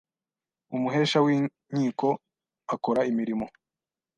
Umuhesha w inkiko akora imirimo